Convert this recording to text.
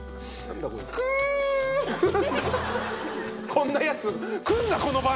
こんなやつ。